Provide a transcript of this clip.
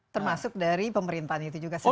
termasuk dari pemerintahan itu juga sendiri